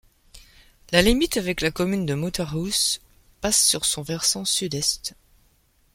La limite avec la commune de Mouterhouse passe sur son versant sud-est.